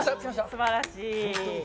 すばらしい。